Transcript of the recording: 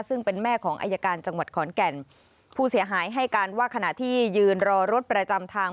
ซึ่งเป็นแม่ของอายการจังหวัดขอนแก่นผู้เสียหายให้การว่าขณะที่ยืนรอรถประจำทาง